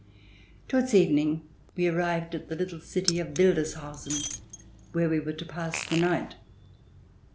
Towards evening we arrived at the little city of Wildeshausen where we were to pass the night.